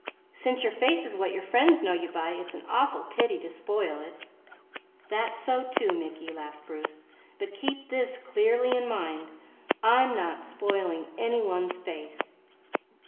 Since your face is what your friends know you by, it's an awful pity to spoil it." "That's so too, Mickey," laughed Bruce, "but keep this clearly in your mind. I'm not spoiling any one's face.